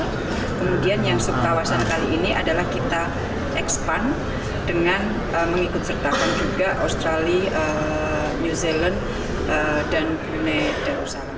kemudian yang subkawasan kali ini adalah kita expand dengan mengikut sertakan juga australia new zealand dan brunei darussalam